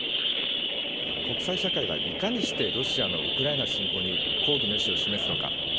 国際社会はいかにしてロシアのウクライナ侵攻に抗議の意思を示すのか。